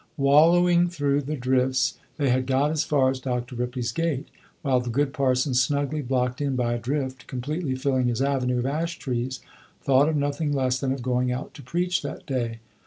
Wallowing through the drifts, they had got as far as Dr. Ripley's gate, while the good parson, snugly blocked in by a drift completely filling his avenue of ash trees, thought of nothing less than of going out to preach that day.